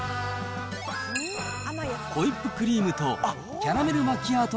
ホイップクリームとキャラメルマキアート